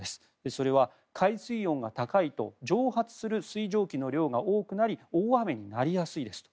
それは、海水温が高いと蒸発する水蒸気の量が多くなり大雨になりやすいですと。